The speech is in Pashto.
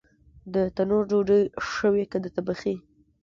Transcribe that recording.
د تنور ډوډۍ ښه وي که د تبخي؟